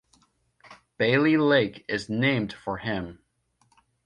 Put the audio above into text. Bailey Lake is named for him.